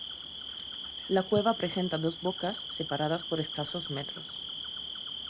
La cueva presenta dos bocas separadas por escasos metros.